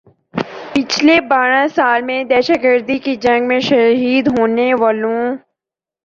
پچھلے بارہ سال میں دہشت گردی کی جنگ میں شہید ہونے والوں